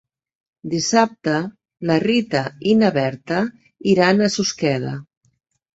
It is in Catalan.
Dissabte na Rita i na Berta iran a Susqueda.